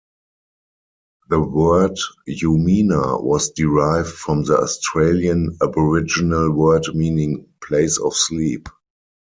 The word "Umina" was derived from the Australian Aboriginal word meaning "Place of sleep".